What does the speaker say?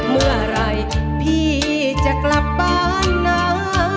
เมื่อไหร่พี่จะกลับบ้านนะ